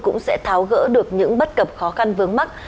cũng sẽ tháo gỡ được những bất cập khó khăn vướng mắt